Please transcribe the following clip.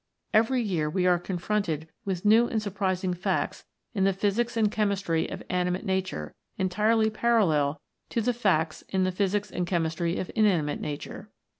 Every year we ate con fronted with new and surprising facts in the Physics and Chemistry of animate Nature entirely parallel to facts in the Physics and Chemistry of inanimate Nature.